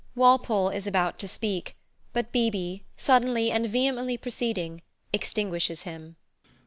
[Walpole is about to speak, but B. B., suddenly and vehemently proceeding, extinguishes him.